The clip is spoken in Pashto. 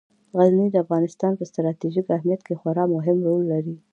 غزني د افغانستان په ستراتیژیک اهمیت کې خورا مهم رول لري.